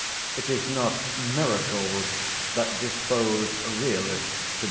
It is not miracles that dispose realists to belief.